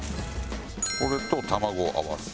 これと卵を合わす。